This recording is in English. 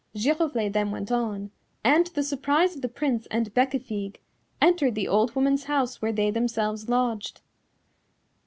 Giroflée then went on, and, to the surprise of the Prince and Bécafigue, entered the old woman's house where they themselves lodged.